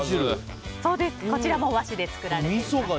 こちらも和紙で作られています。